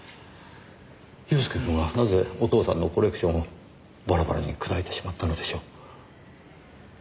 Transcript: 祐介くんはなぜお父さんのコレクションをバラバラに砕いてしまったのでしょう？